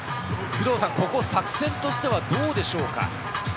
作戦としてはどうでしょうか？